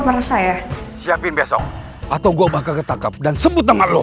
merasa ya siapin besok atau gua bakal ketangkap dan sebut sama lo